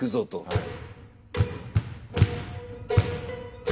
はい。